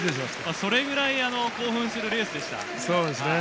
それぐらい興奮するレースでした。